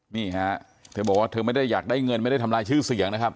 นี่ฮะเธอบอกว่าเธอไม่ได้อยากได้เงินไม่ได้ทำลายชื่อเสียงนะครับ